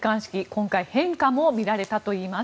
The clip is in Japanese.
今回変化も見られたといいます。